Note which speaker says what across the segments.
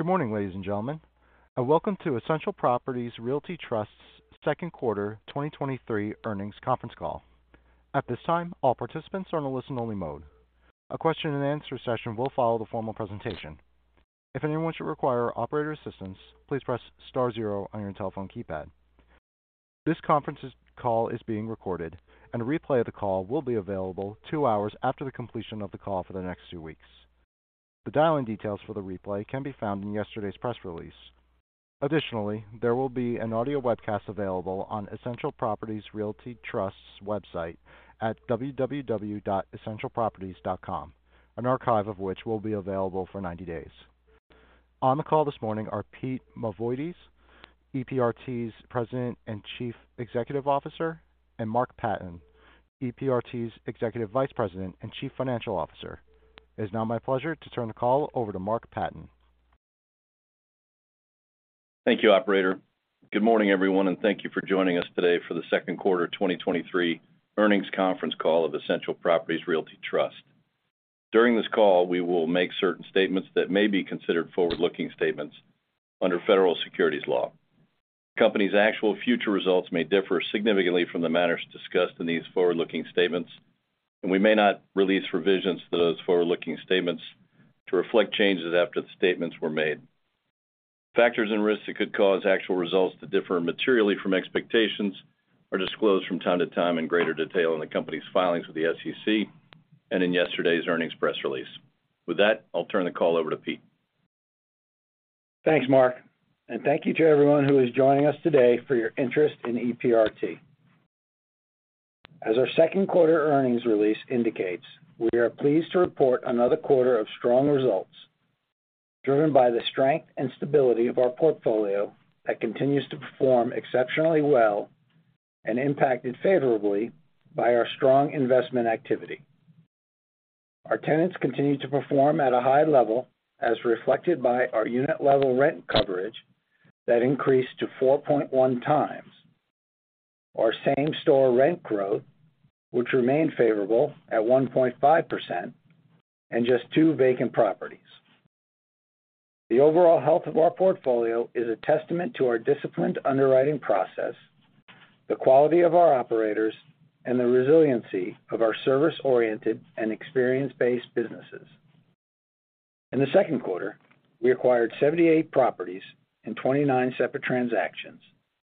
Speaker 1: Good morning, ladies and gentlemen, and welcome to Essential Properties Realty Trust's second quarter 2023 earnings conference call. At this time, all participants are in a listen-only mode. A question-and-answer session will follow the formal presentation. If anyone should require operator assistance, please press star zero on your telephone keypad. This conference call is being recorded, and a replay of the call will be available two hours after the completion of the call for the next two weeks. The dial-in details for the replay can be found in yesterday's press release. Additionally, there will be an audio webcast available on Essential Properties Realty Trust's website at www.essentialproperties.com, an archive of which will be available for 90 days. On the call this morning are Pete Mavoides, EPRT's President and Chief Executive Officer, and Mark Patten, EPRT's Executive Vice President and Chief Financial Officer. It's now my pleasure to turn the call over to Mark Patten.
Speaker 2: Thank you, operator. Good morning, everyone, and thank you for joining us today for the second quarter of 2023 earnings conference call of Essential Properties Realty Trust. During this call, we will make certain statements that may be considered forward-looking statements under federal securities law. The company's actual future results may differ significantly from the matters discussed in these forward-looking statements, and we may not release revisions to those forward-looking statements to reflect changes after the statements were made. Factors and risks that could cause actual results to differ materially from expectations are disclosed from time to time in greater detail in the company's filings with the SEC and in yesterday's earnings press release. With that, I'll turn the call over to Pete.
Speaker 3: Thanks, Mark, and thank you to everyone who is joining us today for your interest in EPRT. As our second quarter earnings release indicates, we are pleased to report another quarter of strong results, driven by the strength and stability of our portfolio that continues to perform exceptionally well and impacted favorably by our strong investment activity. Our tenants continue to perform at a high level, as reflected by our unit-level rent coverage that increased to 4.1x. Our same-store rent growth, which remained favorable at 1.5%, and just two vacant properties. The overall health of our portfolio is a testament to our disciplined underwriting process, the quality of our operators, and the resiliency of our service-oriented and experience-based businesses. In the second quarter, we acquired 78 properties in 29 separate transactions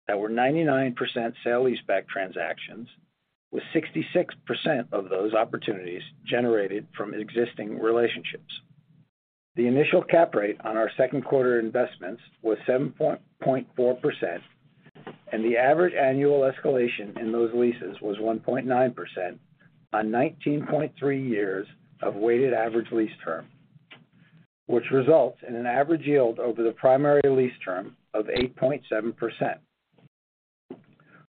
Speaker 3: that were 99% sale-leaseback transactions, with 66% of those opportunities generated from existing relationships. The initial cap rate on our second quarter investments was 7.4%, and the average annual escalation in those leases was 1.9% on 19.3 years of weighted average lease term, which results in an average yield over the primary lease term of 8.7%.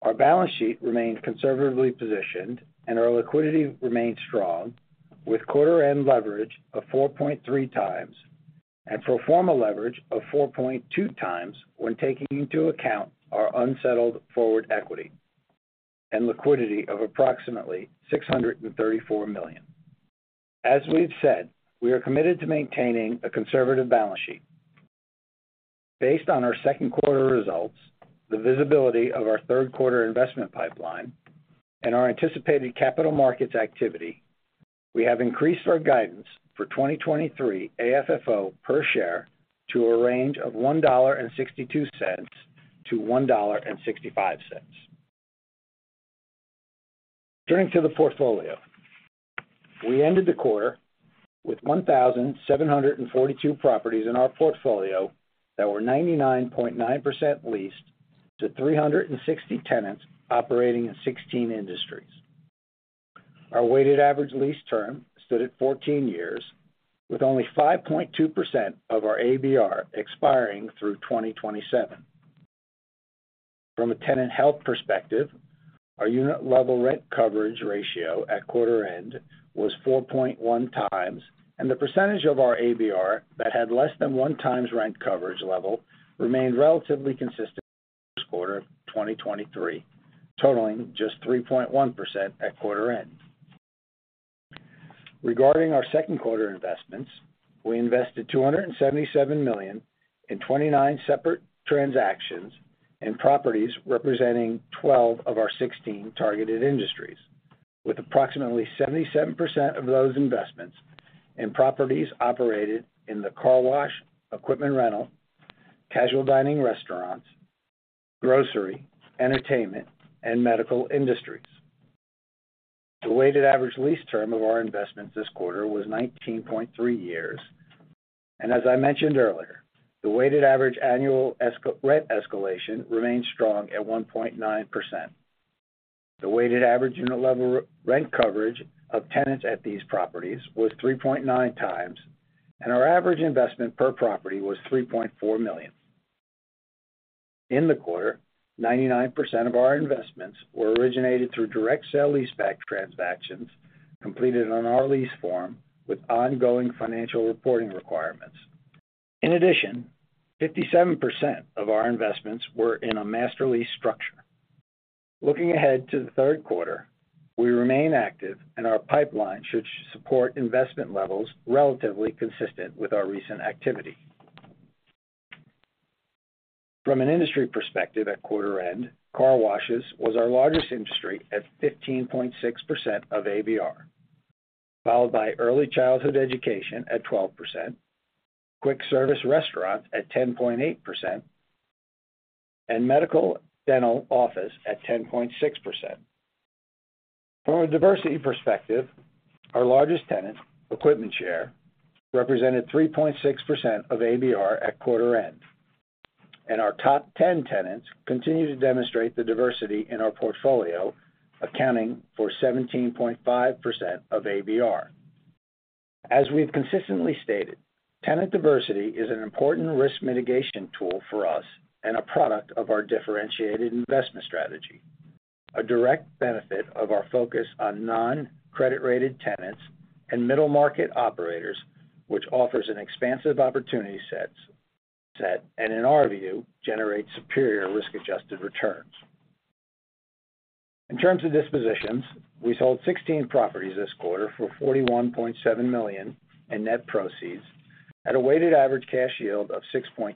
Speaker 3: Our balance sheet remains conservatively positioned, and our liquidity remains strong, with quarter-end leverage of 4.3x and pro forma leverage of 4.2x when taking into account our unsettled forward equity and liquidity of approximately $634 million. As we've said, we are committed to maintaining a conservative balance sheet. Based on our second quarter results, the visibility of our third quarter investment pipeline, and our anticipated capital markets activity, we have increased our guidance for 2023 AFFO per share to a range of $1.62-$1.65. Turning to the portfolio. We ended the quarter with 1,742 properties in our portfolio that were 99.9% leased to 360 tenants operating in 16 industries. Our weighted average lease term stood at 14 years, with only 5.2% of our ABR expiring through 2027. From a tenant health perspective, our unit-level rent coverage ratio at quarter end was 4.1x, the percentage of our ABR that had less than 1x rent coverage level remained relatively consistent this quarter of 2023, totaling just 3.1% at quarter end. Regarding our second quarter investments, we invested $277 million in 29 separate transactions in properties representing 12 of our 16 targeted industries, with approximately 77% of those investments in properties operated in the car wash, equipment rental, casual-dining restaurants, grocery, entertainment, and medical industries. The weighted average lease term of our investments this quarter was 19.3 years, as I mentioned earlier, the weighted average annual rent escalation remained strong at 1.9%. The weighted average unit-level rent coverage of tenants at these properties was 3.9x, and our average investment per property was $3.4 million. In the quarter, 99% of our investments were originated through direct sale-leaseback transactions completed on our lease form with ongoing financial reporting requirements. In addition, 57% of our investments were in a master lease structure. Looking ahead to the third quarter, we remain active and our pipeline should support investment levels relatively consistent with our recent activity. From an industry perspective, at quarter end, car washes was our largest industry at 15.6% of ABR, followed by early childhood education at 12%, quick-service restaurants at 10.8%, and medical-dental office at 10.6%. From a diversity perspective, our largest tenant, EquipmentShare, represented 3.6% of ABR at quarter end, and our top 10 tenants continue to demonstrate the diversity in our portfolio, accounting for 17.5% of ABR. As we've consistently stated, tenant diversity is an important risk mitigation tool for us and a product of our differentiated investment strategy, a direct benefit of our focus on non-credit-rated tenants and middle-market operators, which offers an expansive opportunity sets, and in our view, generates superior risk-adjusted returns. In terms of dispositions, we sold 16 properties this quarter for $41.7 million in net proceeds at a weighted average cash yield of 6.2%.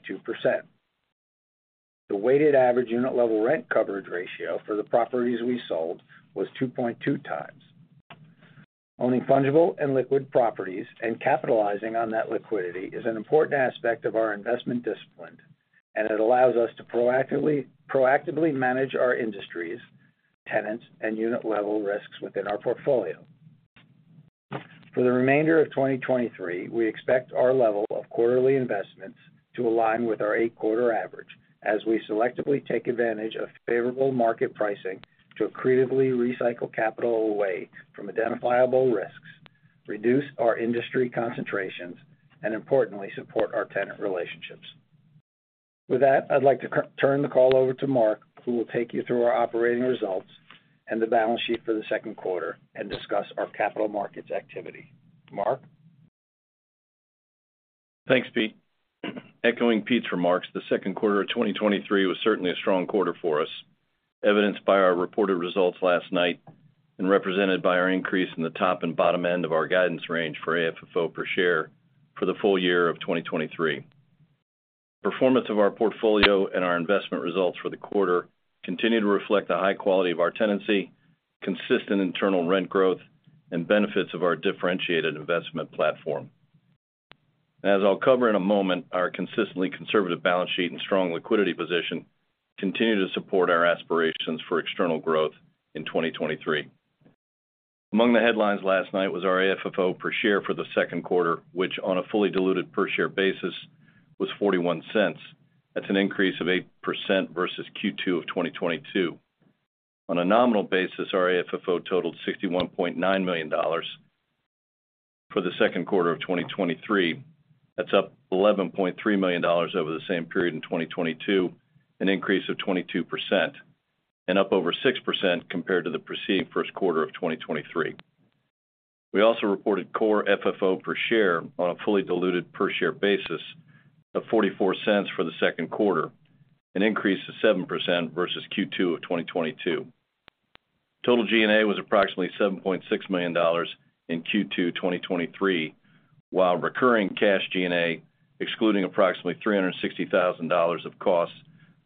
Speaker 3: The weighted average unit-level rent coverage ratio for the properties we sold was 2.2x. Owning fungible and liquid properties and capitalizing on that liquidity is an important aspect of our investment discipline, and it allows us to proactively manage our industries, tenants, and unit-level risks within our portfolio. For the remainder of 2023, we expect our level of quarterly investments to align with our eight-quarter average as we selectively take advantage of favorable market pricing to accretively recycle capital away from identifiable risks, reduce our industry concentrations, and importantly, support our tenant relationships. With that, I'd like to turn the call over to Mark, who will take you through our operating results and the balance sheet for the second quarter and discuss our capital markets activity. Mark?
Speaker 2: Thanks, Pete. Echoing Pete's remarks, the second quarter of 2023 was certainly a strong quarter for us, evidenced by our reported results last night and represented by our increase in the top and bottom end of our guidance range for AFFO per share for the full year of 2023. Performance of our portfolio and our investment results for the quarter continue to reflect the high quality of our tenancy, consistent internal rent growth, and benefits of our differentiated investment platform. As I'll cover in a moment, our consistently conservative balance sheet and strong liquidity position continue to support our aspirations for external growth in 2023. Among the headlines last night was our AFFO per share for the second quarter, which on a fully diluted per share basis, was $0.41. That's an increase of 8% versus Q2 of 2022. On a nominal basis, our AFFO totaled $61.9 million for the second quarter of 2023. That's up $11.3 million over the same period in 2022, an increase of 22%, and up over 6% compared to the preceding first quarter of 2023. We also reported Core FFO per share on a fully diluted per share basis of $0.44 for the second quarter, an increase of 7% versus Q2 of 2022. Total G&A was approximately $7.6 million in Q2 2023, while recurring cash G&A, excluding approximately $360,000 of costs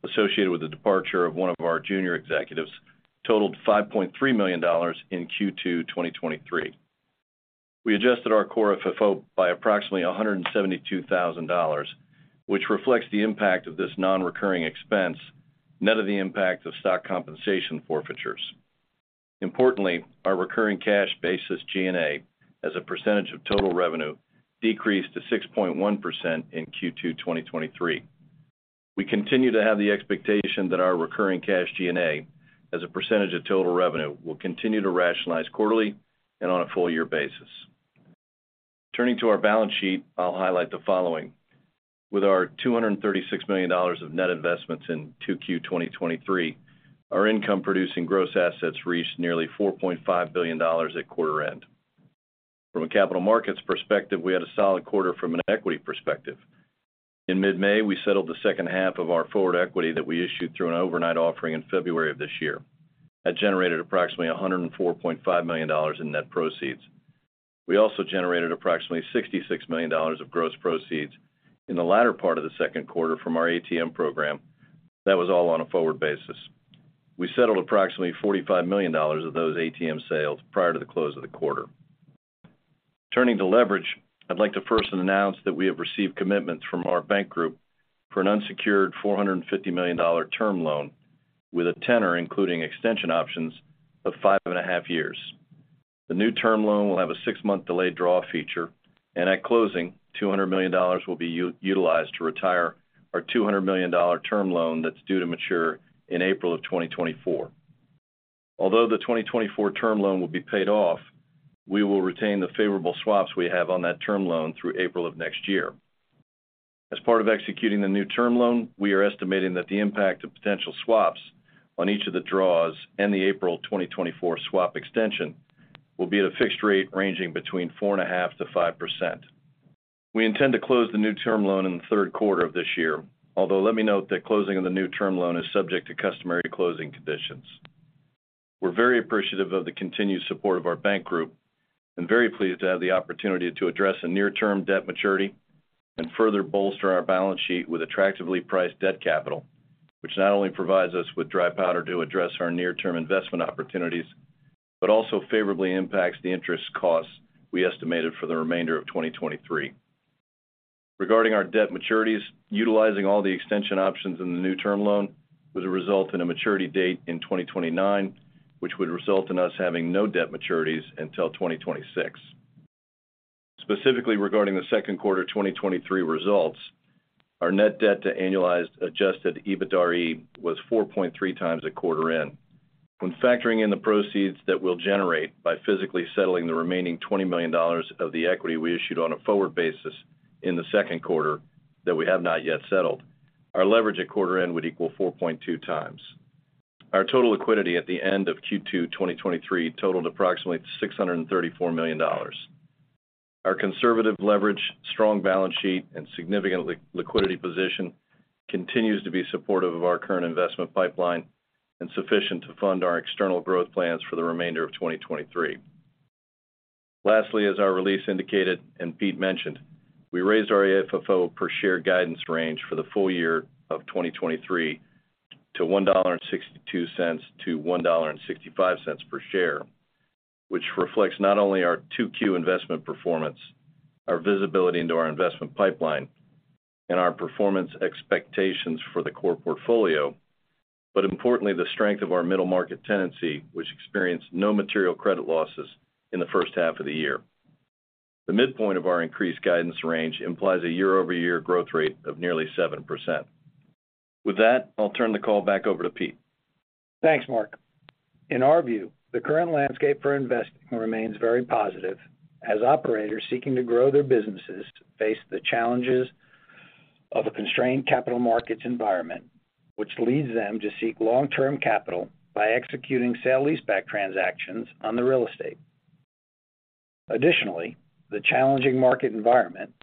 Speaker 2: associated with the departure of one of our junior executives, totaled $5.3 million in Q2 2023. We adjusted our Core FFO by approximately $172,000, which reflects the impact of this nonrecurring expense, net of the impact of stock compensation forfeitures. Importantly, our recurring cash basis G&A, as a percentage of total revenue, decreased to 6.1% in Q2 2023. We continue to have the expectation that our recurring cash G&A, as a percentage of total revenue, will continue to rationalize quarterly and on a full year basis. Turning to our balance sheet, I'll highlight the following. With our $236 million of net investments in 2Q 2023, our income-producing gross assets reached nearly $4.5 billion at quarter end. From a capital markets perspective, we had a solid quarter from an equity perspective. In mid-May, we settled the second half of our forward equity that we issued through an overnight offering in February of this year. That generated approximately $104.5 million in net proceeds. We also generated approximately $66 million of gross proceeds in the latter part of the second quarter from our ATM program. That was all on a forward basis. We settled approximately $45 million of those ATM sales prior to the close of the quarter. Turning to leverage, I'd like to first announce that we have received commitments from our bank group for an unsecured $450 million term loan, with a tenor, including extension options of five and a half years. The new term loan will have a six-month delayed draw feature. At closing, $200 million will be utilized to retire our $200 million term loan that's due to mature in April of 2024. Although the 2024 term loan will be paid off, we will retain the favorable swaps we have on that term loan through April of next year. As part of executing the new term loan, we are estimating that the impact of potential swaps on each of the draws and the April 2024 swap extension will be at a fixed rate ranging between 4.5%-5%. We intend to close the new term loan in the third quarter of this year, although let me note that closing of the new term loan is subject to customary closing conditions. We're very appreciative of the continued support of our bank group, and very pleased to have the opportunity to address a near-term debt maturity and further bolster our balance sheet with attractively priced debt capital, which not only provides us with dry powder to address our near-term investment opportunities, but also favorably impacts the interest costs we estimated for the remainder of 2023. Regarding our debt maturities, utilizing all the extension options in the new term loan would result in a maturity date in 2029, which would result in us having no debt maturities until 2026. Specifically regarding the second quarter 2023 results, our net debt to Annualized Adjusted EBITDAre was 4.3 times at quarter end. When factoring in the proceeds that we'll generate by physically settling the remaining $20 million of the equity we issued on a forward basis in the second quarter that we have not yet settled, our leverage at quarter end would equal 4.2x. Our total liquidity at the end of Q2 2023 totaled approximately $634 million. Our conservative leverage, strong balance sheet, and significant liquidity position continues to be supportive of our current investment pipeline and sufficient to fund our external growth plans for the remainder of 2023. Lastly, as our release indicated and Pete mentioned, we raised our AFFO per share guidance range for the full year of 2023 to $1.62-$1.65 per share, which reflects not only our 2Q investment performance, our visibility into our investment pipeline, and our performance expectations for the core portfolio, but importantly, the strength of our middle-market tenancy, which experienced no material credit losses in the first half of the year. The midpoint of our increased guidance range implies a year-over-year growth rate of nearly 7%. With that, I'll turn the call back over to Pete.
Speaker 3: Thanks, Mark. In our view, the current landscape for investing remains very positive, as operators seeking to grow their businesses face the challenges of a constrained capital markets environment, which leads them to seek long-term capital by executing sale-leaseback transactions on the real estate. The challenging market environment,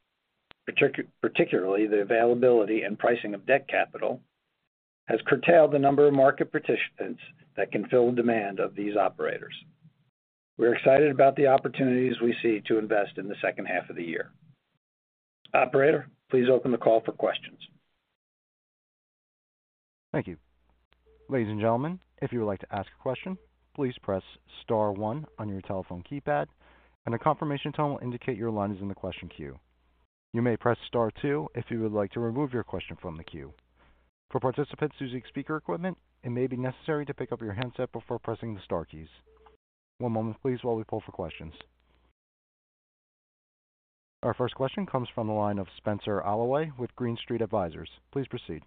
Speaker 3: particularly the availability and pricing of debt capital, has curtailed the number of market participants that can fill the demand of these operators. We're excited about the opportunities we see to invest in the second half of the year. Operator, please open the call for questions.
Speaker 1: Thank you. Ladies and gentlemen, if you would like to ask a question, please press star one on your telephone keypad. A confirmation tone will indicate your line is in the question queue. You may press star two if you would like to remove your question from the queue. For participants using speaker equipment, it may be necessary to pick up your handset before pressing the star keys. One moment, please, while we pull for questions. Our first question comes from the line of Spenser Allaway with Green Street Advisors. Please proceed.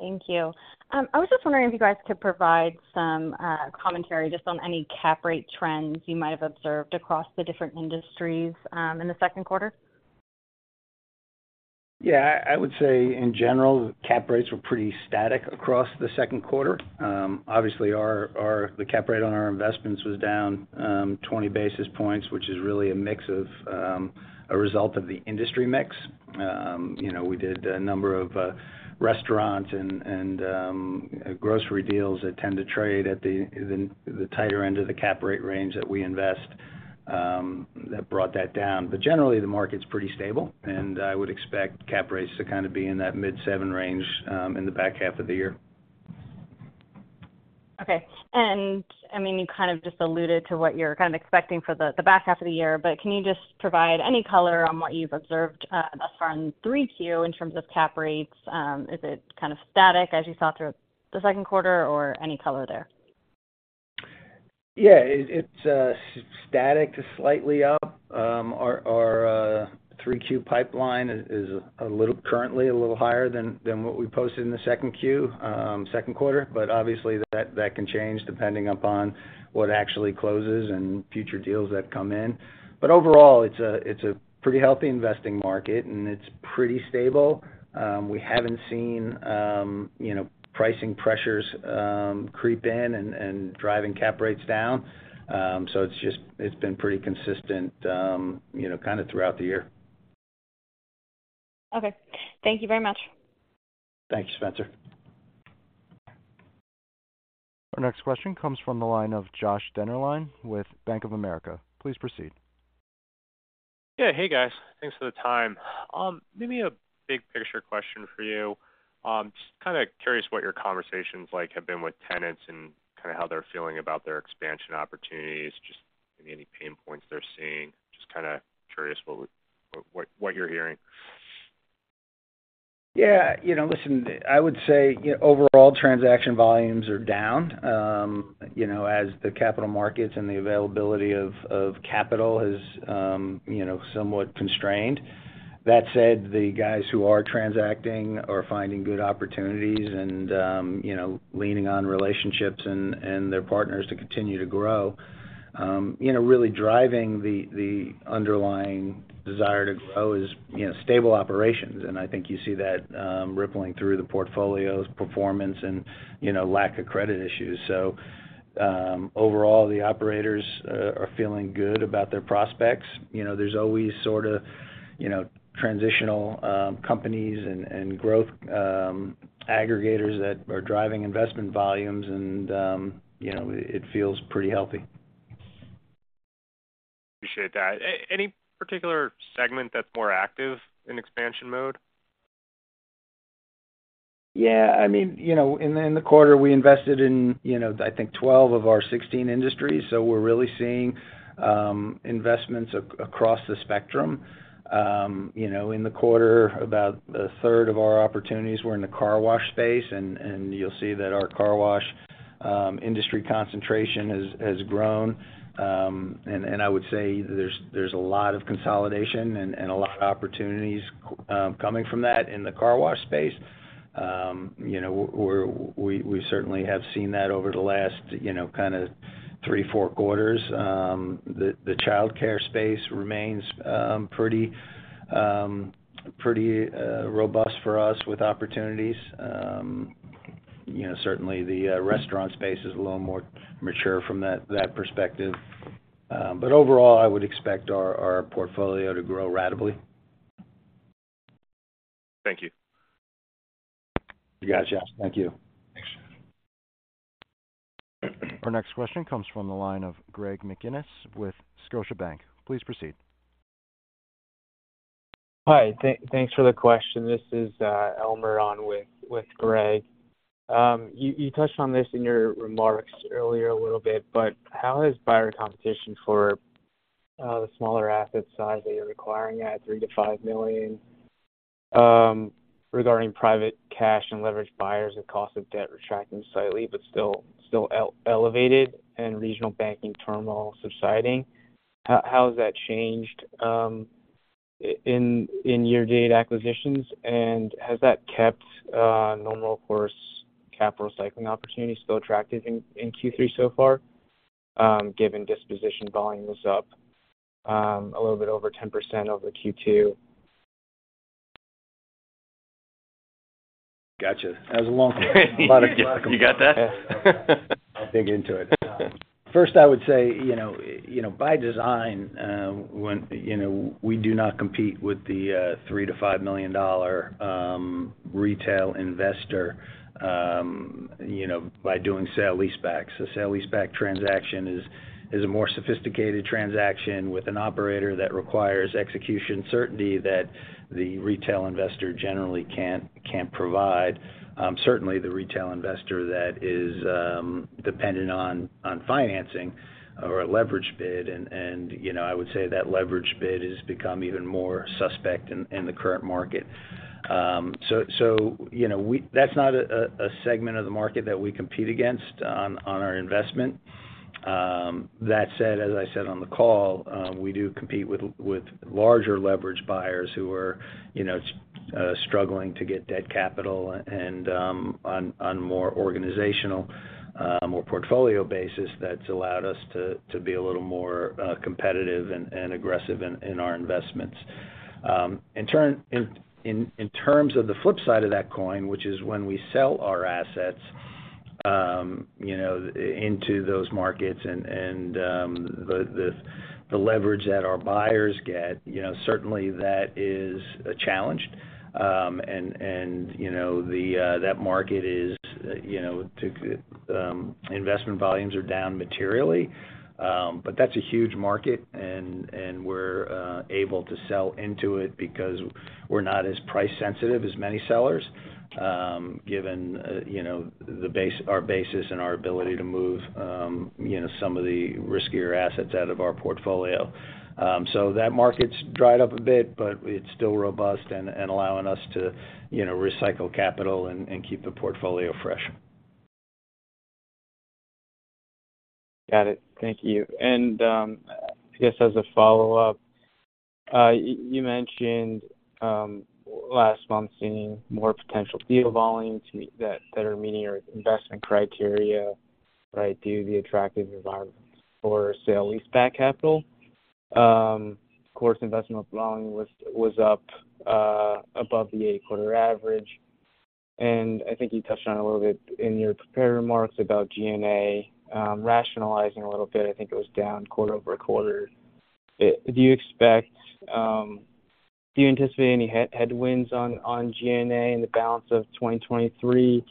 Speaker 4: Thank you. I was just wondering if you guys could provide some commentary just on any cap rate trends you might have observed across the different industries in the second quarter.
Speaker 3: I would say in general, cap rates were pretty static across the second quarter. Obviously, our the cap rate on our investments was down 20 basis points, which is really a mix of a result of the industry mix. You know, we did a number of restaurants and grocery deals that tend to trade at the tighter end of the cap rate range that we invest that brought that down. Generally, the market's pretty stable, and I would expect cap rates to kind of be in that mid-seven range in the back half of the year.
Speaker 4: Okay. I mean, you kind of just alluded to what you're kind of expecting for the back half of the year, but can you just provide any color on what you've observed thus far in 3Q in terms of cap rates? Is it kind of static as you saw through the second quarter, or any color there?
Speaker 3: Yeah, it's static to slightly up. Our 3Q pipeline is currently a little higher than what we posted in the second Q, second quarter, but obviously, that can change depending upon what actually closes and future deals that come in. Overall, it's a pretty healthy investing market, and it's pretty stable. We haven't seen, you know, pricing pressures, creep in and driving cap rates down. It's been pretty consistent, you know, kind of throughout the year.
Speaker 4: Okay. Thank you very much.
Speaker 3: Thank you, Spenser.
Speaker 1: Our next question comes from the line of Josh Dennerlein with Bank of America. Please proceed.
Speaker 5: Yeah. Hey, guys. Thanks for the time. Maybe a big-picture question for you. Just kind of curious what your conversations like have been with tenants and kind of how they're feeling about their expansion opportunities, just maybe any pain points they're seeing. Just kind of curious what you're hearing?
Speaker 3: Yeah, you know, listen, I would say, overall transaction volumes are down, you know, as the capital markets and the availability of capital has, you know, somewhat constrained. That said, the guys who are transacting are finding good opportunities and, you know, leaning on relationships and their partners to continue to grow. You know, really driving the underlying desire to grow is, you know, stable operations, and I think you see that, rippling through the portfolio's performance and, you know, lack of credit issues. Overall, the operators are feeling good about their prospects. You know, there's always sort of, you know, transitional companies and growth aggregators that are driving investment volumes, and, you know, it feels pretty healthy....
Speaker 5: appreciate that. Any particular segment that's more active in expansion mode?
Speaker 3: Yeah, I mean, you know, in the quarter, we invested in, you know, I think 12 of our 16 industries, so we're really seeing investments across the spectrum. You know, in the quarter, about a third of our opportunities were in the car wash space, and you'll see that our car wash industry concentration has grown. I would say there's a lot of consolidation and a lot of opportunities coming from that in the car wash space. You know, we certainly have seen that over the last, you know, kind of three, four quarters. The childcare space remains pretty robust for us with opportunities. You know, certainly the restaurant space is a little more mature from that perspective. Overall, I would expect our portfolio to grow ratably.
Speaker 5: Thank you.
Speaker 3: You got it, Josh. Thank you.
Speaker 2: Thanks.
Speaker 1: Our next question comes from the line of Greg McGinniss with Scotiabank. Please proceed.
Speaker 6: Hi, thanks for the question. This is Elmer Ismaili on with Greg. You touched on this in your remarks earlier a little bit, how is buyer competition for the smaller asset size that you're acquiring at $3 million-$5 million regarding private cash and leveraged buyers and cost of debt retracting slightly, but still elevated and regional banking turmoil subsiding? How has that changed in year-to-date acquisitions? Has that kept normal course capital cycling opportunities still attractive in Q3 so far, given disposition volume was up a little bit over 10% over Q2?
Speaker 3: Gotcha. That was a long question.
Speaker 6: You got that?
Speaker 3: I'll dig into it. First, I would say, you know, by design, We do not compete with the $3 million-$5 million retail investor, you know, by doing sale-leasebacks. A sale-leaseback transaction is a more sophisticated transaction with an operator that requires execution certainty that the retail investor generally can't provide. Certainly, the retail investor that is dependent on financing or a leverage bid, and, you know, I would say that leverage bid has become even more suspect in the current market. You know, we, that's not a segment of the market that we compete against on our investment. That said, as I said on the call, we do compete with larger leverage buyers who are, you know, struggling to get debt capital and on more organizational, more portfolio basis, that's allowed us to be a little more competitive and aggressive in our investments. In turn, in terms of the flip side of that coin, which is when we sell our assets, you know, into those markets and the leverage that our buyers get, you know, certainly that is a challenge. And, you know, the, that market is, you know, to, investment volumes are down materially, but that's a huge market, and, and we're able to sell into it because we're not as price sensitive as many sellers, given, you know, our basis and our ability to move, you know, some of the riskier assets out of our portfolio. That market's dried up a bit, but it's still robust and, and allowing us to, you know, recycle capital and, and keep the portfolio fresh.
Speaker 6: Got it. Thank you. I guess as a follow-up, you mentioned last month, seeing more potential deal volume that are meeting your investment criteria, right, due to the attractive environment for sale-leaseback capital. Investment volume was up above the eight-quarter average, and I think you touched on it a little bit in your prepared remarks about G&A rationalizing a little bit. I think it was down quarter-over-quarter. Do you anticipate any headwinds on G&A in the balance of 2023,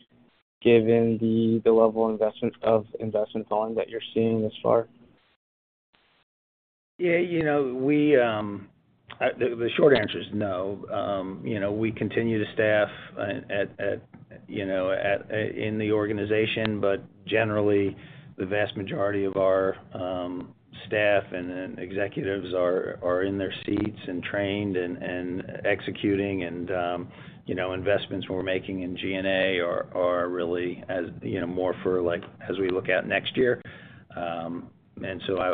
Speaker 6: given the level of investment volume that you're seeing thus far?
Speaker 3: Yeah, you know, we, the short answer is no. You know, we continue to staff at, you know, in the organization, but generally, the vast majority of our staff and then executives are in their seats and trained and executing, and, you know, investments we're making in G&A are really as, you know, more for like, as we look at next year.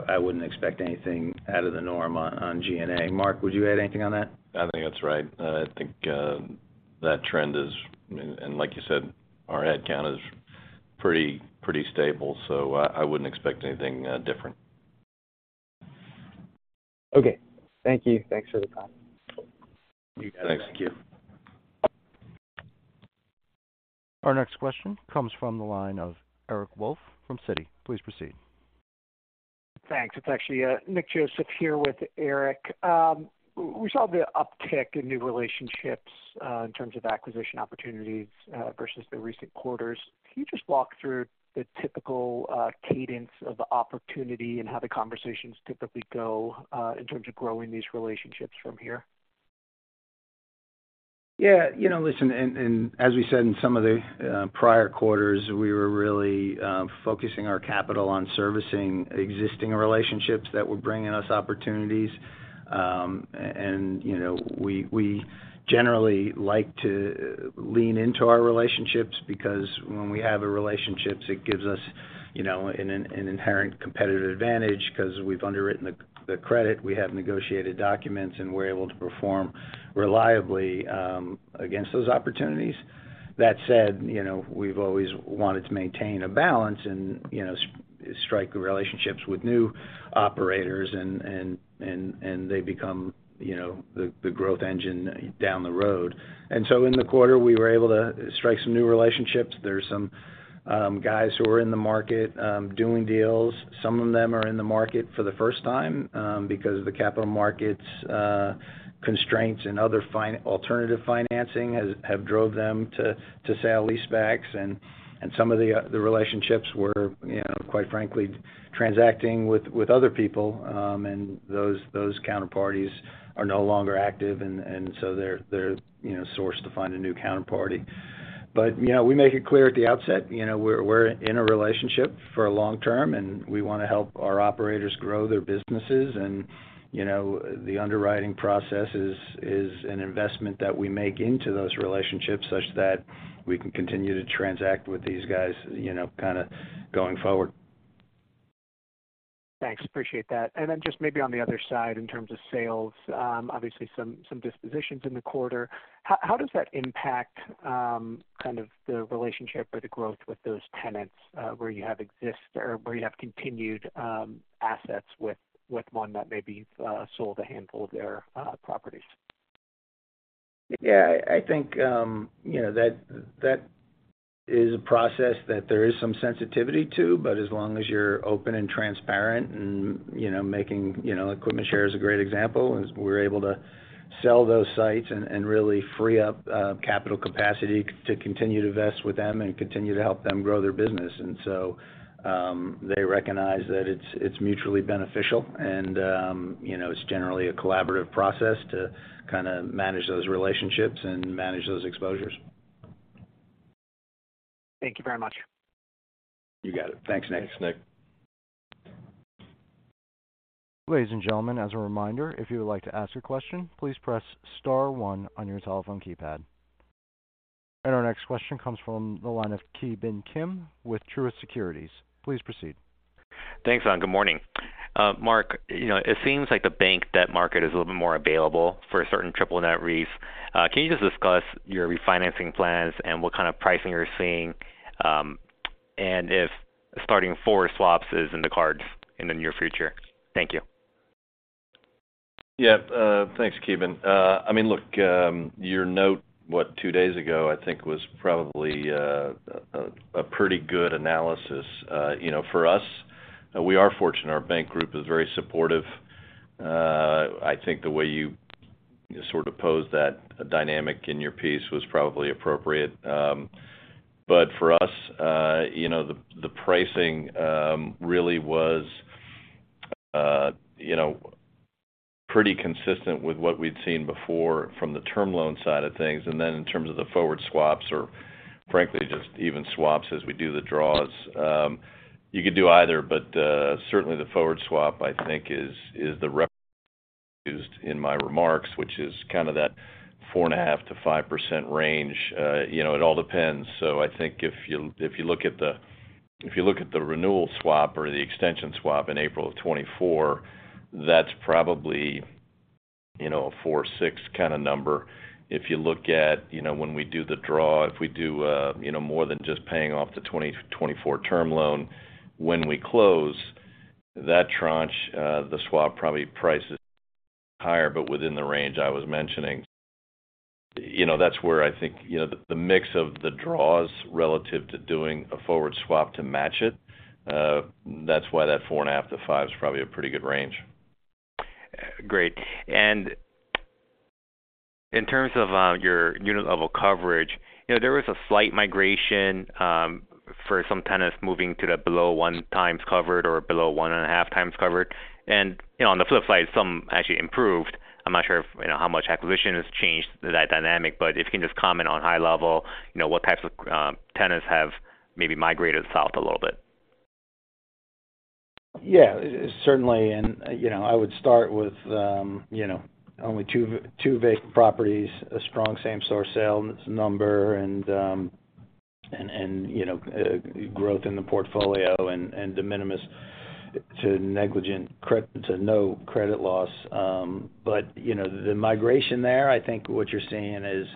Speaker 3: I wouldn't expect anything out of the norm on G&A. Mark, would you add anything on that?
Speaker 2: I think that's right. I think, that trend is, like you said, our headcount is pretty stable, I wouldn't expect anything different.
Speaker 6: Okay. Thank you. Thanks for the time.
Speaker 3: You got it.
Speaker 2: Thanks. Thank you.
Speaker 1: Our next question comes from the line of Eric Wolfe from Citi. Please proceed.
Speaker 7: Thanks. It's actually, Nick Joseph here with Eric. We saw the uptick in new relationships, in terms of acquisition opportunities, versus the recent quarters. Can you just walk through the typical cadence of the opportunity and how the conversations typically go, in terms of growing these relationships from here?
Speaker 3: Yeah, you know, listen, and as we said in some of the prior quarters, we were really focusing our capital on servicing existing relationships that were bringing us opportunities. You know, we generally like to lean into our relationships because when we have a relationships, it gives us, you know, an inherent competitive advantage because we've underwritten the credit, we have negotiated documents, and we're able to perform reliably against those opportunities. That said, you know, we've always wanted to maintain a balance and, you know, strike relationships with new operators and they become, you know, the growth engine down the road. In the quarter, we were able to strike some new relationships. There's some guys who are in the market doing deals. Some of them are in the market for the first time, because of the capital markets, constraints and other alternative financing has, have drove them to sale-leasebacks. Some of the, the relationships were, you know, quite frankly, transacting with other people, and those, those counterparties are no longer active, and so they're, you know, sourced to find a new counterparty. You know, we make it clear at the outset, you know, we're in a relationship for a long term, and we want to help our operators grow their businesses. You know, the underwriting process is an investment that we make into those relationships such that we can continue to transact with these guys, you know, kind of going forward.
Speaker 7: Thanks. Appreciate that. Then just maybe on the other side, in terms of sales, obviously, some, some dispositions in the quarter. How, how does that impact, kind of the relationship or the growth with those tenants, where you have exist or where you have continued, assets with, with one that maybe, sold a handful of their, properties?
Speaker 3: Yeah, I think, you know, that is a process that there is some sensitivity to, but as long as you're open and transparent and, you know, making, you know, EquipmentShare is a great example, is we're able to sell those sites and really free up, capital capacity to continue to invest with them and continue to help them grow their business. They recognize that it's, it's mutually beneficial and, you know, it's generally a collaborative process to kind of manage those relationships and manage those exposures.
Speaker 7: Thank you very much.
Speaker 3: You got it. Thanks, Nick.
Speaker 2: Thanks, Nick.
Speaker 1: Ladies and gentlemen, as a reminder, if you would like to ask a question, please press star one on your telephone keypad. Our next question comes from the line of Ki Bin Kim with Truist Securities. Please proceed.
Speaker 8: Thanks, good morning. Mark, you know, it seems like the bank debt market is a little bit more available for a certain triple net REIT. Can you just discuss your refinancing plans and what kind of pricing you're seeing, and if starting forward swaps is in the cards in the near future? Thank you.
Speaker 2: Yeah, thanks, Ki Bin. I mean, look, your note, what, two days ago, I think, was probably a pretty good analysis. You know, for us, we are fortunate. Our bank group is very supportive. I think the way you sort of posed that dynamic in your piece was probably appropriate. For us, you know, the pricing really was, you know, pretty consistent with what we'd seen before from the term loan side of things. In terms of the forward swaps, or frankly, just even swaps as we do the draws, you could do either, but certainly, the forward swap, I think, is the used in my remarks, which is kind of that 4.5%-5% range. You know, it all depends. I think if you, if you look at the, if you look at the renewal swap or the extension swap in April of 2024, that's probably, you know, a 4.6 kind of number. If you look at, you know, when we do the draw, if we do, you know, more than just paying off the 2024 term loan, when we close, that tranche, the swap probably prices higher, but within the range I was mentioning. You know, that's where I think, you know, the, the mix of the draws relative to doing a forward swap to match it, that's why that 4.5%-5% is probably a pretty good range.
Speaker 8: Great. In terms of your unit level coverage, you know, there was a slight migration for some tenants moving to the below 1x covered or below 1.5x covered. You know, on the flip side, some actually improved. I'm not sure if, you know, how much acquisition has changed that dynamic, but if you can just comment on high level, you know, what types of tenants have maybe migrated south a little bit?
Speaker 3: Yeah, certainly. You know, I would start with, you know, only two vacant properties, a strong same-store sales number, and, you know, growth in the portfolio and de minimis to negligent to no credit loss. You know, the migration there, I think what you're seeing is,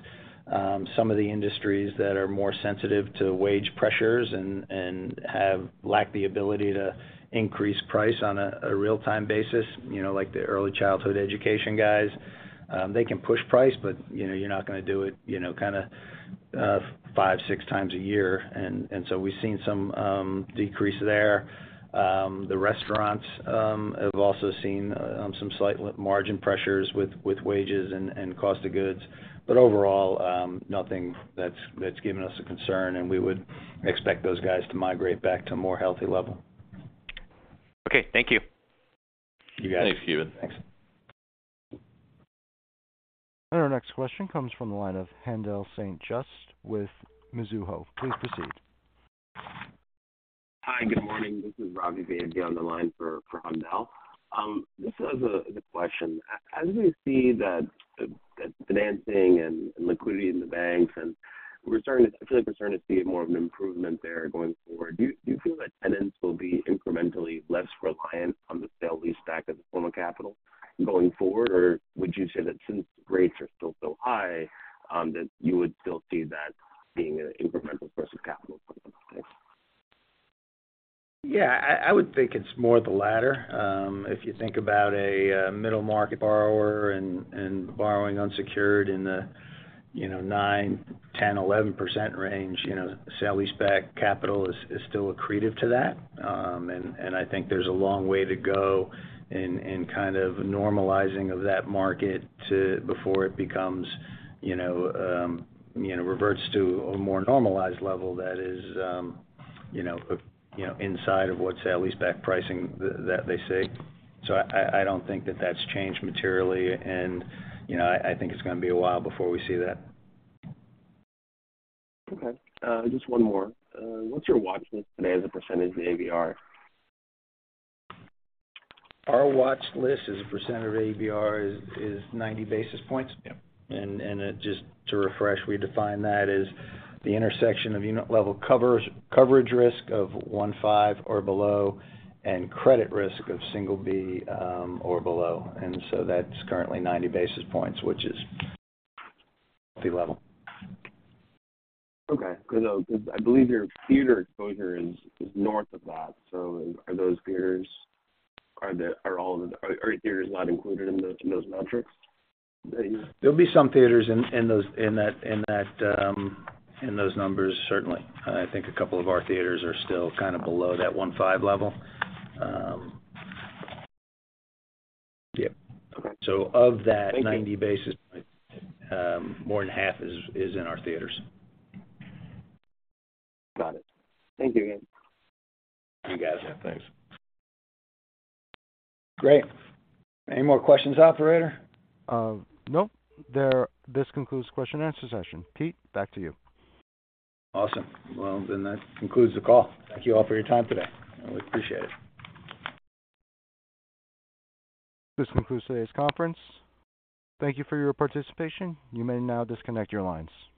Speaker 3: some of the industries that are more sensitive to wage pressures and have lacked the ability to increase price on a, a real-time basis, you know, like the early childhood education guys. They can push price, but, you know, you're not going to do it, you know, kind of, five, six times a year. So we've seen some, decrease there. The restaurants have also seen some slight margin pressures with wages and cost of goods. Overall, nothing that's given us a concern. We would expect those guys to migrate back to a more healthy level.
Speaker 8: Okay. Thank you.
Speaker 3: You got it.
Speaker 2: Thanks, Ki Bin. Thanks.
Speaker 1: Our next question comes from the line of Haendel St. Juste with Mizuho. Please proceed.
Speaker 9: Hi, good morning. This is Ravi Vaidya on the line for Haendel. Just as a question, as we see that the financing and liquidity in the banks, we're starting to, I feel like we're starting to see more of an improvement there going forward. Do you feel that tenants will be incrementally less reliant on the sale-leaseback as a form of capital going forward? Would you say that since rates are still so high, that you would still see that being an incremental source of capital? Thanks.
Speaker 3: I, I would think it's more the latter. If you think about a middle-market borrower and, and borrowing unsecured in the, you know, 9%, 10%, 11% range, you know, sale-leaseback capital is, is still accretive to that. I think there's a long way to go in, in kind of normalizing of that market before it becomes, you know, reverts to a more normalized level that is, you know, inside of what sale-leaseback pricing that they see. I, I don't think that that's changed materially, and, you know, I, I think it's gonna be a while before we see that.
Speaker 9: Okay. just one more. What's your watch list today as a percentage of ABR?
Speaker 3: Our watch list as a percent of ABR is 90 basis points.
Speaker 2: Yeah.
Speaker 3: Just to refresh, we define that as the intersection of unit-level coverage risk of 1.5x or below, and credit risk of single-B or below. That's currently 90 basis points, which is the level.
Speaker 9: Okay. Because I believe your theater exposure is north of that. Are theaters not included in those metrics?
Speaker 3: There'll be some theaters in those numbers, certainly. I think a couple of our theaters are still kind of below that 1.5x level. Yeah.
Speaker 9: Okay.
Speaker 3: Of that.
Speaker 9: Thank you.
Speaker 3: 90 basis, more than half is in our theaters.
Speaker 9: Got it. Thank you again.
Speaker 3: Thank you, guys.
Speaker 2: Yeah, thanks.
Speaker 3: Great. Any more questions, operator?
Speaker 1: Nope. This concludes question and answer session. Pete, back to you.
Speaker 3: Awesome. Well, that concludes the call. Thank you all for your time today. I really appreciate it.
Speaker 1: This concludes today's conference. Thank you for your participation. You may now disconnect your lines.